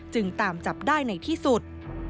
จึงตามจับได้ในที่สุด